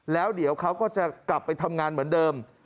แล้วเดี๋ยวเขาก็จะกลับไปทำงานเหมือนเดิม